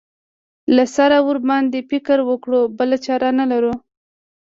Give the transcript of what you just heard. له سره ورباندې فکر وکړو بله چاره نه لرو.